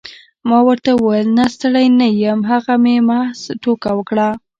ما ورته وویل نه ستړی نه یم هغه مې محض ټوکه وکړه.